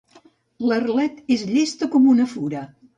L'Arlet és llesta com una fura.